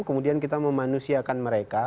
kemudian kita memanusiakan mereka